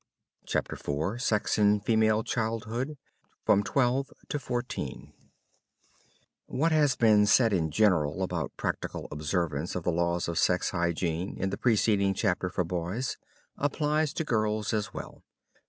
CHAPTER IV SEX IN FEMALE CHILDHOOD (FROM 12 TO 14) What has been said in general about practical observance of the laws of sex hygiene in the preceding chapter for boys, applies to girls as well.